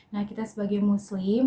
nah kita sebagai muslim